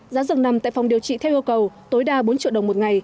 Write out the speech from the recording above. giá rừng nằm tại phòng điều trị theo yêu cầu tối đa bốn triệu đồng một ngày